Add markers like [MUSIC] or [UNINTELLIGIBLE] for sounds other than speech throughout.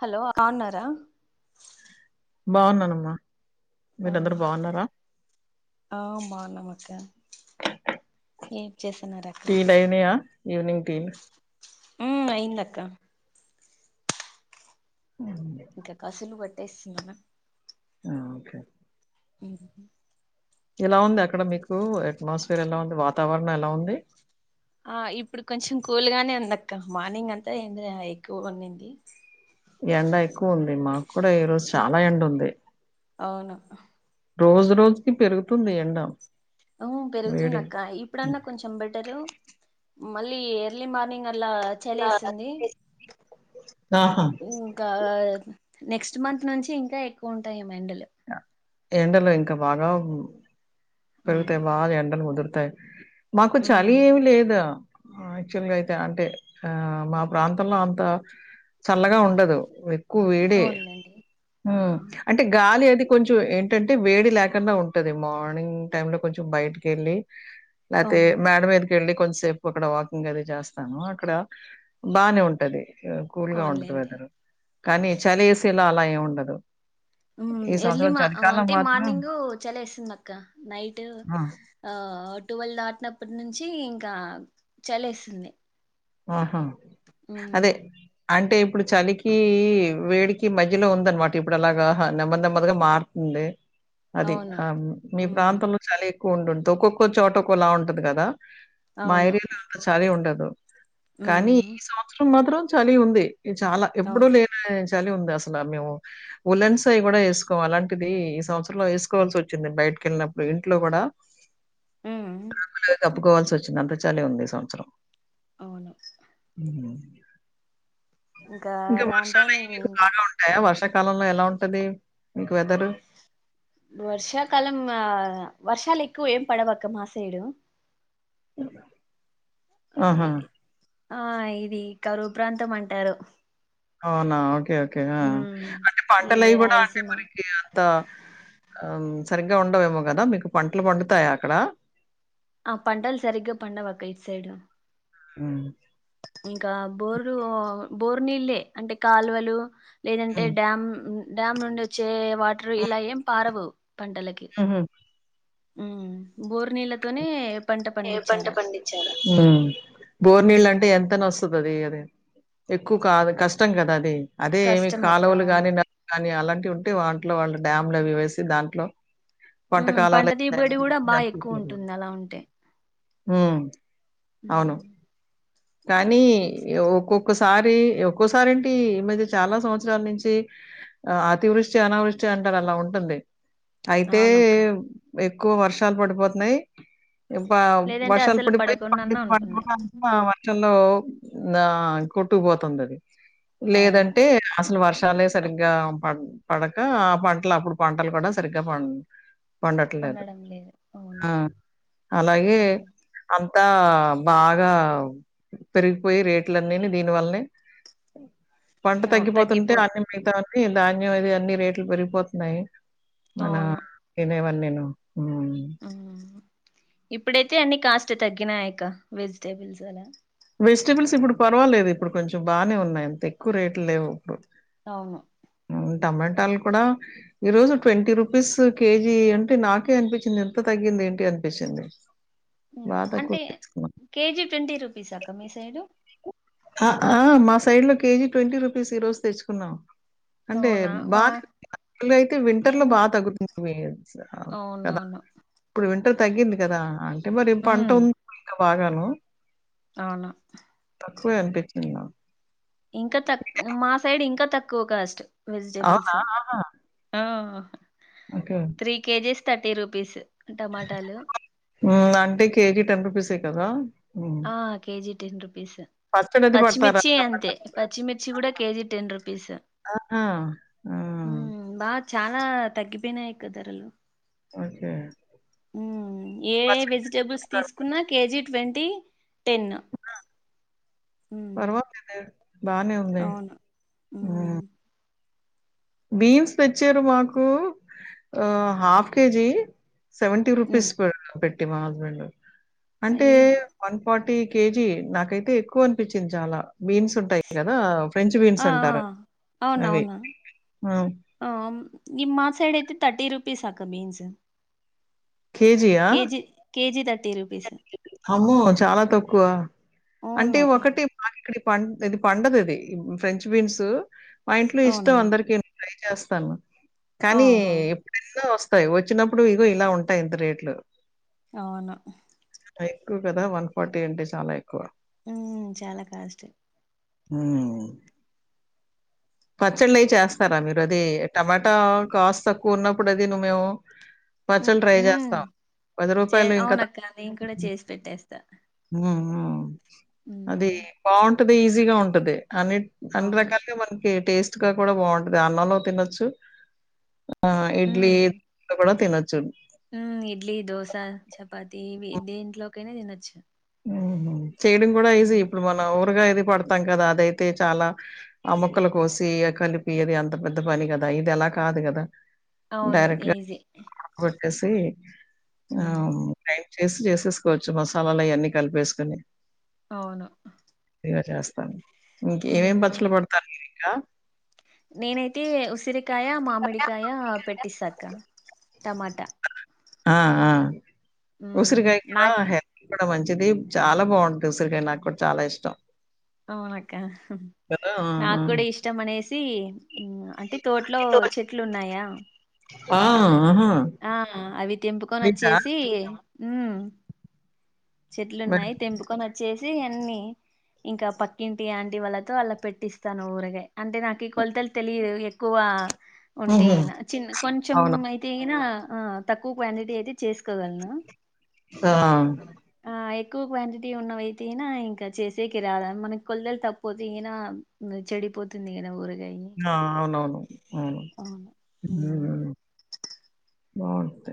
Hello బాగున్నారా, బాగున్నాం అమ్మ ఆ ఆ బాగున్నాం అక్క ఏ టీలు అయినాయ, ఈవినింగ్ టీలు ఊ అయింది అక్క ఉ ఇంకా కసులు పట్టేస్తుందనా ఆ ఓకే హు ఇలా ఉంది అక్కడ మీకు అట్మాస్ఫియర్ ఎలా ఉంది వాతావరణం ఎలా ఉంది. ఆ ఇప్పుడు కొంచెం కూల్గానే ఉంది, అక్క మార్నింగ్ అంతా ఎండ ఎక్కువగా ఉన్నింది. ఎండ ఎక్కువ ఉంది మాకు కూడా ఈరోజు ఆ చాలా ఎండ ఉంది. అవును రోజు రోజుకి పెరుగుతుంది, ఎండ ఆ పెరుగుతుంది వేడి అక్క ఇప్పుడన్నా కొంచెం బెటరు, మళ్ళీ ఎర్లీ మార్నింగ్ అలాా చలి వేస్తుంది, ఆహా. ఇంకా నెక్స్ట్ మంత్ నుంచి ఇంకా ఎక్కువ ఉంటాయి. ఏమో ఎండలు ఎండలు ఇంకా బాగా, పెరిగితే అవును బాగా ఎండనలు ముదురు, [UNINTELLIGIBLE] మాకు చలి ఉమ్ ఏమి లేదా, యాక్చువల్గా అయితే అంతే మా ప్రాంతంలో అంత, చల్లగా ఉండదు ఎక్కువ వేడే అవునులేండి హు ఆ అంటే గాలి ఇది కొంచెం ఏంటంటే వేడి లేకుండా ఉంటది, మార్నింగ్ టైమ్ లో కొంచెం బయటకి వెళ్ళి లేతే అవును మేడమీదికి, వెళ్లి కొంచం సేపు అక్కడ వాకింగ్ అది చేస్తాను, అక్కడ బానే ఉంటది. కూల్ గా ఉంటది, అవునులేండి వెదర్ కానీ చాలి వేస్తే అలా ఎం ఉండదు, ఈ ఎర్లీ సంవత్సరం మా చలికాలం అంటే మాత్రం మార్నింగ్ చలి వేస్తుంది, అక్క నైట్ ఆ! ఆ ట్వీల్వ్ దాటినప్పటి నుంచి, నుంచి ఇంకా చలేస్తుంది ఆహా ఆవు అదే. అంటే ఇప్పుడు చలికి వేడికి మధ్యలో ఉందనమాట ఇప్పుడు అలాగా నెమ్మ నెమ్మదిగా మారుతుంది అది అవును ఆ మీ హ్మ్ ప్రాంతంలో చాలీ ఉండుంటంది ఒక్కొక్కో చోట ఒక్కోలా ఉంటుది కదా అవును మారి చాల ఉండదు స కానీ హ్మ్ ఈ సంవత్సరం మాత్రం చలి ఉంది ఇ చాలా ఎప్పుడు అవును లేని చలి ఉంది అసలు మేము ఉలన్స్ అవన్నీ కూడా వేసుకోము అలాంటిది ఈ సంవత్సరంలో వేసుకోవాల్సి వచ్చింది బయటకి వెళ్ళినప్పుడు ఇంట్లో కూడా హ్మ్ [INAUDIBLE] కప్పుకోవాల్సి వచ్చింది అంత చలి ఉంది ఈ సంవత్సరం అవును [INAUDIBLE] ఇంకా రాను వర్షాలు రాను అయ మీకు ఇంకా బాగా ఉంటాయా వర్ష కాలంలో ఎలా ఉంటది మీకు వెదర్ వర్షాకాలం వర్షాలకు ఏం పడవు అక్క మా సైడు [INAUDIBLE] ఆహా ఐ- ఆ ఇది కరువు ప్రాంతం అంటారు అవునా ఓకే ఓకే ఓకే హ్మ్ అంటే ఈ పంటలు అవి కూడా అంటే రాయలసీమ మరికి అంత ఆ సరిగ్గా ఉండవేమో కదా మీకు పంటలు పండుతాయా అక్కడ ఆ పంటలు సరిగా పండవాక్క ఈట్ సైడ్ ఆ ఇంకా బోరు బోరు నీళ్ళే అంటే కాలువలు లేదంటే హ్మ్. డ్యామ్ డ్యామ్ నుండి వచ్చే వాటర్ హ్మ్. ఇలా ఏం పారవు పంటలకి హుహు. ఉ బోరు నీళ్ళతోనే పంట ఏ పంట పండించాలా పండించారా బోర్ ఉమ్ నీళ్లు అంటే ఎంత అయినా వాస్ అది అద ఎక్కువ కాదు కష్టం కదా అది అదే ఏమి కష్టం అక్క కాలువలు అవును కాని నలు కాగాని అలాంటి ఉంటే వాంట్లో వాళ్ళు డ్యామ్ లో అవి వేసి దాంట్లో ఉమ్ పంట దిగుబడి కూడా బాగా ఎక్కువ ఉంటుంది అలా ఉంటే ఉమ్ ఉమ్ కానీ ఇట్స్- ఒక్కొక్క సారి ఒక్కోసారి ఏంటి ఈ మధ్య చాలా సంవత్సరాల నుంచి ఆ అతివృష్టి అనావృష్టి అంటారు అలా ఉంటుంది అయితే అవునక్క ఎ క్కువ వర్షాలు పడిపోతున్నాయి ఇప్ప లేదంటే వర్షాలు అసలు పడిపోయి పడకుండాన్నా ఉంటున్నాయి [UNINTELLIGIBLE] [UNINTELLIGIBLE] చలో నా కొట్టుకుపోతుంది అది అవును లేదంటే అసలు వర్ష షాలే సరిగ్గా పడక ఆ పంటలు అప్పుడు పంటలు కూడా సరిగ్గా పం పండట్లేదు పండడం లేదు అవును ఆ అలాగే ఉమ్, అంత అంతా బాగా పెరిగిపోయి రేట్లున్నని దీనివల్లనే పంట అవు తగ్గిపోతుంటే తగ్గిపోతు అన్ని మిగతా ధాన్యం ఇది అన్ని రేట్లు పెరిగిపోతున్నాయి మన అవును తినేవన్నీ ఆ ఉమ్ ఇప్పుడైతే అన్ని కాస్ట్ తగ్గినాయి వెజిటేబుల్స్ అలా వెజిటేబుల్స్ ఇప్పుడు పర్వాలేదు ఇప్పుడు కొంచెం బాగానే ఉన్నాయి అంత ఎక్కువ రేట్లు లేవు ఇప్పుడు అవును హ్మ్. టమాటాలు కూడా ఈ రోజు ట్వంటీ రూపీస్ కేజీ అంటే నాకే అనిపించింది ఇంత తగ్గింది ఏంటి అనిపించింది బా అంటే తక్కువకి తెచ్చుకున్నాం. కేజీ ట్వంటీ రూ పీస్ అక్క మీ సైడు ఆ మా సైడ్ లో కేజీ ట్వంటీ రూపీస్ ఈ రోజు తెచ్చుకున్నాం అంటే అవునా మా బాగా అయితే వింటర్ లో టెన్ బాగా తగ్గుతుంది కదా అవునవును ఇప్పుడు వింటర్ తగ్గింది కదా అంటే మరి పంట ఉమ్ ఉంది బాగాను అవును క్కువె అనిపించింది నాకు ఇంకా తక్ మా సైడ్ ఇంకా తక్కువ కాస్ట్ అవునా? వెజిటేబుల్స్ ఆహా! ఆ త్రీ కేజీస్ థర్టీ రూపీస్ టమాటాలు ఉమ్ అంటే కేజీ టెన్ రుపీస్ ఏ కదా హ్మ్. ఆ కేజి టెన్ రుపీస్ పచ్చడి అది పెడతారా పచ్చిమిర్చి అంతే టమాటా కూడా? పచ్చిమిర్చి కూడా కేజీ టెన్ రుపీస్ ఆహా! ఆహా! ఆ! హమ్ బా చాలా తగ్గిపోయినాయి అక్క ధరలు ఓకే. హమ్ ఏ పచ్చడి వెజిటబుల్స్ పెడతారు కదా! తీసుకున్నా కేజీ ట్వంటీ తి టెన్ ఆ! పర్వాలేదే బానే ఉందే అవును ఆ ఉమ్ బీన్స్ తెచ్చారు మాకు ఆ హాఫ్ కేజీ సెవెంటీ రుపీస్ ఉమ్ పెట్ పెట్టి మా హస్బెండ్ అంటే అయ్యో వన్ ఫార్టీ కేజీ నాకైతే ఎక్కువ అనిపించింది చాలా బీన్స్ ఉంటాయి కదా ఫ్రెంచ్ బీన్స్ ఆ ఆ అంటారు అవి అవునవునా ఆ! ఆ నిమ్ మా సైడ తర్టీ రూపీస్ అక్క బీన్స్ కేజీయా? కేజీ కేజీ తట్ తరుపీస్ అమ్మో చాలా తక్కువ అంటే అవును ఒకటే మా ఇక్కడి పం ఇది పండది ఇది ఫ్రెంచ బీన్స్ మా ఇంట్లో ఇష్టం అవునులేండి అందరిక ట్రై చేస్తాను సను కానీ ఆహా ఎప్పుడెన్న వస్త ాయి వచ్చినప్పుడు ఇగో ఇలా ఉంటాయి ఇంత రేట్లు అవును ఎక్కువ కదా వన్ ఫార్టీ అంటే చాలా ఎక్కువ ఉ చాలా కాష్టట్ హ ప పచ్చళ్ళు చేస్తారా అంటే మీరు అది టమాటా కాస్ట్ తక్కువ ఉన్నప్పుడు అది నువ్ మేము పచ్చళ్ళు ట్రై జేస్తాం. రూ. చే ఇంకా అవునక్క నీను కూడా చేసి పెట్టేస్తా ఆ అదిే ఉమ్ బా అది ఈజీగా ఉంటది అ అ అని అవును రకాల టేస్ట్ గా కూడా బాగుంటది అన్నంలో తినొచ్చు ఆ ఇడ్లీ కూడా తినో చెప్పు ఉ ఇడ్లీ, దోశ, చపాతి ఇవి దేంట్లోకైనే తినొచ్చు. హుహు. చేయడం కూడా ఈజీ ఉమ్, ఇప్పుడు మన ఊరుగా పడతాం కదా అదైతే చాలా అమ్మక్కలు కోసి కలిపియేది అంత పెద్ద పని కదా ఇది అలా కాదు కదా అవును డైరెక్ట్గా ఈజీ పెట్టేసి ఆ ఉమ్ చేసి చేసేసుకోవచ్చు మసాలయన్నీ కలిపేసుకుని అవును ఇగ చేస్తా ఇంక ఏమేం ఉమ్ పచ్చలు పడతారు ఇంకా నేనైతే ఉసిరి కాయ, మామిడి కాయ పెట్టిసాకా టమాట ఆ ఆ ఉసిరికాయ కూడా నాకి హ కూడా మంచి ఇది చాలా బాగుంటంది ఉసిరికాయ నాకు కూడా చాలా ఇష్టం. అవునక్క కదా! ఆ! నాకు ఆ! కూడా ఇష్టం అనేసి అంటే తోటలో చెట్లు ఉన్నాయా ఆ! ఆహా! ఆ అవి తెంపుకొని మీకా? వచ్చేసి అవు చెట్లు మరి ఉన్నాయి తెంపుకొని వచ్చేసి అన్ని ఇంకా పక్కింటి ఆంటి వాళ్ళతో అలా పెట్టిస్తాను ఊరగా అంటే నాకు ఈ కొలతలు తెలియదు ఎక్కువ ఉంటే హుహు. ఈనా చిన్న కొంచెం అవును. అయితే ఈయినా ఆ తక్కువ క్వాంటిటీ అయితే చేసుకోగలను ఆ! ఆ ఎక్కువ క్వాంటిటీ ఉన్నవయితేనా ఇంకా చేసే కి రాద మనకి కొల్దలు తప్పపోతే ఇంనా చెడిపోతుంది ఇనా ఊరి ఆ అవునవును అవును బంత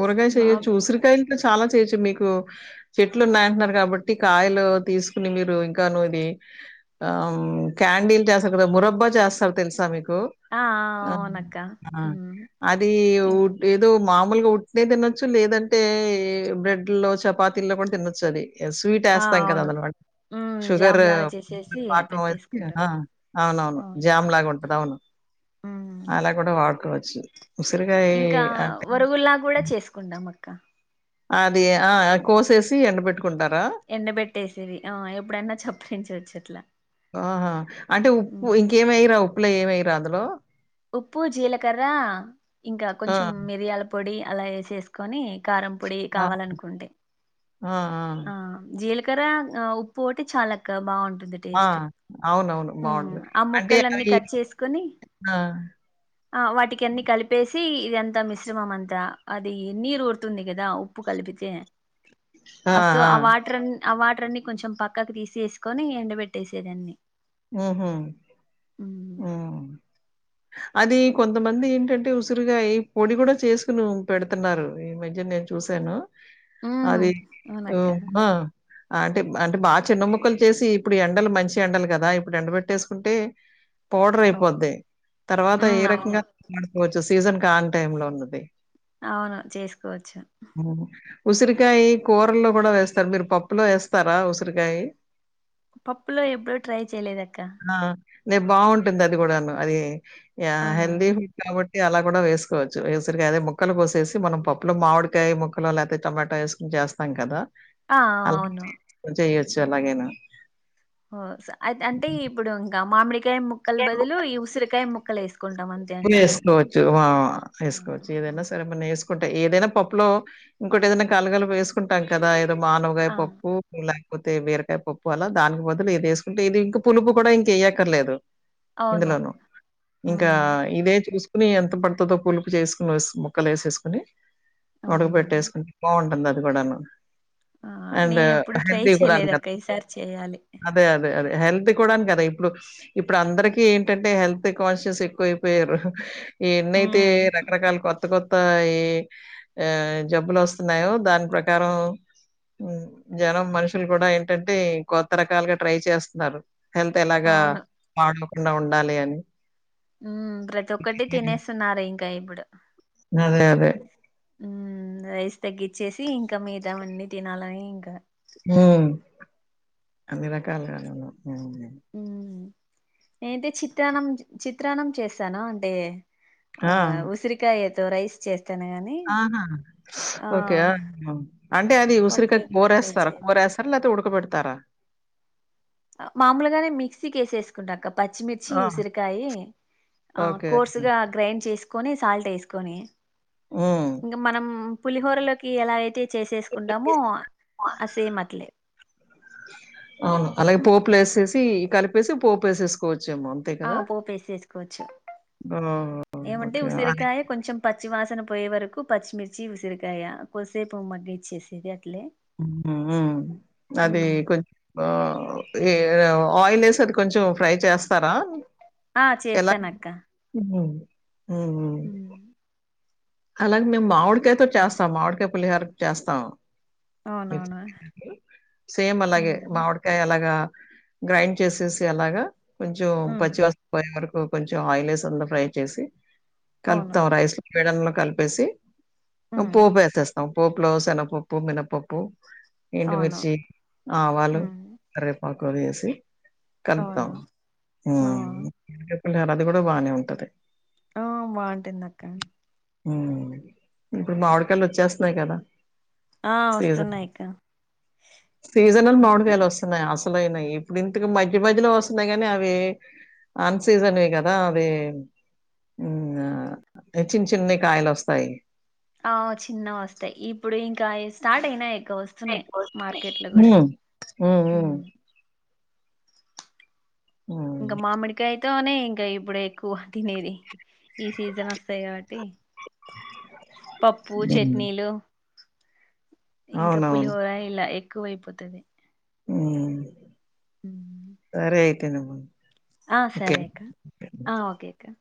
ఊరగాయ బాబ్ చేయొచ్చు ఉసిరికాయలు చాలా చేయచ్చు మీకు చెట్లు ఉన్నాయంటున్నారు కాబట్టి కాయలు తీసుకుని మీరు ఇంకా ను ఇది ఆ క్యాడిల్ చేస్తారు కదా మురబ్బా చేస్తారు తెలుసా మీకు ఆ ఆ ఓ అవునక్క ఆ ఉమ్ అది ఇం ఉవుట్ ఏదో మామూలుగా ఉట్టినే తినొచ్చు లేదంటే బ్రెడ్ లో చపాతీల్లో కూడా తినొచ్చు అది స్వీట్ ఆ వేస్తాం కదా అవును అది అనమాట ఉమ్ షుగర్ జామ్ లాగా చేసేసి పాకం వం పెట్టేసుకుంటాం ఆ అవునవును అవును జామ్ లాగా ఉంటది అవును ఉమ్ అలా కూడా వాడుకోవచ్చు ఉసిరు ఇంకా వరుగుల్లా కూడా చేసుకుంటాం మ కా అది ఆ కోసేసి ఎండ బెట్టుకు ఎండబెట్టేసేవి ఆ ఎప్పుడన్నా చప్పరించొచ్చు ఇట్లా ఉప్పులు ఏం ఏయ్యార అందులో ఉప్పు జీలకర్ర ఇంకా ఆ! కొంచెం మిరియాల పొడి అలా ఏసేసుకోని కారం పొడి ఆ! కావాలనుకుంటే ఆ ఆ కార ఉప్పు ఒకటి చాలు అక్క ఆ! బాగుంటు అవునవును. బావుంటది. ఆ అంటే ముక్కలు అన్ని అవి కట్ చేసుకొని ఆ! ఆ వాటికీ అన్ని కలిపెసి సి ఇది అంతా మిశ్రమం అంతా అది నీరు ఊరుతుంది కదా ఉప్పు కలిపితే అసో ఆ వాటర్న్ ఆ వాటర్ అన్ని కొంచెం పక్కకు తీసి వేసుకొని ఎండబెట్టేసేది అన్ని ఉహు ఉం అది ఓకే కొంతమంది ఏంటంటే ఉసు తుర్గ ఈ పొడి కూడా చేసుకును పెడుతున్నారు ఈ మధ్య నేను చూశాను ఉమ్, అది ఓ అవునక్క మా అంటే అంటే బాగా చిన్న ముక్కలు చేసి ఇప్పుడు ఈ ఎండలు మంచి ఎండలు కదా ఇప్పుడు ఎండబెట్టేసుకుంటే పౌడర్ ఓ, అయిపోద్ది తర్వాత ఏ ఉమ్, అవును రకంగా వాడుకోవచ్చు చు సీజన్ కాన్ టైం లో ఉన్నది అవును చేసుకోవచ్చు ఉసిరికాయ్ కూరల్లో కూడా వేస్తారు మీరు పప్పులో వేస్తారా ఉసిరికాయ్ పప్పులా ఎప్పడు ట్రై చేయలేదు అక్క ఆ! నే బాగుంటుంది అది కూడాను అది యా అవునా హెందీ ఫా ఉడు కి అలా కూడా వేసుకోవచ్చు వేసరికి అదే ముక్కలు కోసేసి మనం పప్పులో మామిడికాయ ముక్కలు లేకపోతే టొమాటో వేసుకోని చేస్తాం కదా ఆ అలా అవును చెయచ్చు చెనా గేన హో స ఐతే అంటే ఇప్పుడు ఇంకా మామిడి కాయ ముక్కలు బదులు ఈ ఉసిరికాయ ముక్కలు కలేసం వేసుకోవచ్చు ఆ అవునా వేసుకోవచ్చు ఏదనా సరే మనం ఏసు ఏదైనా పప్పు లో ఇంకోటి ఏదైనా కాలుగాలు వేసుకుంటాం కదా మానుగా ఆ ఆ, పప్పు [UNINTELLIGIBLE] కతే బీరకాయ పప్పు అలా దానికి బదులు ఇది వేసుకుంటే ఇది ఇంకా పులుపు కూడా ఇంకేయ్యకర్లేదు అవును ఇందులోను ఇంకా ఉమ్ చూసుకుని ఎంత పడుతదో పులుపు చేసుకుని వే ముక్కలు వేసుకుని ఉడక అవునండి పెట్టేసుకుంటే బాగుంటుంది అది పడను ఆ నేనేప్పుడు ట్రై చేయలేదు కదా! అక్క ఈసారి చేయాలి అదే. అదే. అదే. హెల్త్ కూడాని కదా ఇప్పుడు ఇప్పుడు అందరికీ ఏంటంటే హెల్త్ కాన్షియస్ ఎక్కువ అయి పేరు ఈ ఎన్నయితే ఉమ్ రకరకాల కొత్త కొత్త ఈ ఆ జబ్బులు వస్తున్నాయో దాని ప్రకారం హ్మ్మ్ జనం మనుషులు కూడా ఏంటంటే కొత్త రకాలుగా ట్రై చేస్తున్నారు. హెల్త్ ఎలాగా అవును [UNINTELLIGIBLE] నే ఉండాలి అని హ్మ్మ్ ప్రతి ఒక్కటి తినేస్తున్నారు ఇంకా ఇప్పుడు అదే. అదే. హ్మ్మ్ రైస్ తగ్గచ్చేసి ఇంకా మిగతావన్నీ తినాలని ఇంకా హ్మ్మ్ అన్ని రకాలుగా తిన్నాం హ్మ్మ్ నేనైతే చిత్రాన్నం చిత్రాన్నం చేసాను అంటే ఆ ఉసిరికాయది రైస్ చేస్ ఆహా ఓకే ఆహా అంటే అది పప్పు ఉసిరికాయ ఎప్పుడు ట్రై కూరేస్తారా చేయలే కూరేస్తారా లేకపోతే ఉడకబెట్ దరా మామూలుగానే మిక్సీకి వేసేసుకుంటాక్క పచ్చిమిర్చి ఆ! ఉసిరికాయి ఆ ఓకే. కోర్సుగా గ్రైండ్ చేసుకు తీసుకొని సాల్ట్ వేసుకొని హ్మ్. ఇంకా మనం పులిహోరలోకి ఎలా అయితే చేసేసుకుంటాము ఆ సేమ్ అట్లే పేసేసి కలిపేసి పోపేసుకోవచ్చు ఆ పోపేసిసుకోవచ్చు ఓహ్! ఏమంటే ఓకే. అది ఉసిరికాయ కొంచెం పచ్చి వాసన పోయే వరకు పచ్చిమిర్చి ఉసిరికాయ కొద్సేపు మగ్గి ఇచ్చేసేది హ్మ్ హ్మ్! అది ఉమ్. కొం ఆ ఆ ఆయిల్ వసరి కొంచెం ఫ్రై చేస్తా స్తారా ఆ ఎలా చేస్తానక్క హ్మ్ ఉమ్. అలాగ మావిడి కయతో చాస్తా బాగుంటది మావిడి కయ పులిహో ర చేస్తాము అవునవును సేమ్ అలాగే ఉమ్. మామిడికాయ అలాగా గ్రైండ్ చేసేసి అలాగా కొంచం ఉమ్. పచ్చివాసం పోయామర కొంచెం ఆయిల్ వస్ ఫ్రై చేసి కల్పుత అవును రాయిస్ పేడ కలిపేసి ఉమ్. పోపు వేసేస్తాం పోపులో శనపప్పు మినపప్పు అవును ఇంమిర్చి ఆవాలు ఉమ్. కేపో గు అసి కలుపుతాం అవును ఆ. లేరు అది కూడా బాగానే ఉంటది ఆ బావుంటుందిదక్కా ఇప్పుడు మా ఆడికాళ్ళు వచ్చేస్తున్నాయి కదా ఆ సీజ వస్తున్నాయి అక్క సీజన్ల్ మామిడికిలు వస్తున్నాయి ఆస అసనాయి ఇప్పుడు ఇంతకు మధ్య మధ్యలో వస్తున్నాయి కాని అవి ఆన్ సీజన్వి కదా అవి చిన్న చిన్న యి కాయలాస్తాయి ఆ చిన్న వస్తాయి ఇప్పుడు ఇంకా స్టార్ట్ అయినా ఇకా వస్తున్నాయి ఎక్కువ వస్తున్నాయి మార్కెట్ లో కూడా మ్, మ్, మ్, ఇంగ మ్, మామిడికాయతే తనే ఇంకా ఇప్పుడు ఎక్కువ తినేది ఈ సీజన్ వస్తాయి కాబట్టి పప్పు మ్. చట్నీలు ఇంకా పులి అవునవును హోర ఇల్ ఎ వైపోతుది హ్మ్ సరే తినవ ఆ సరే అక్క ఆ ఓకే అక్క